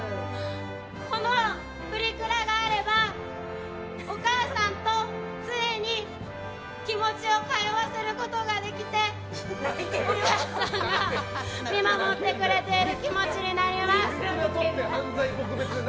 このプリクラがあればお母さんと常に気持ちを通わせることができてお母さんが見守ってくれている気持になります。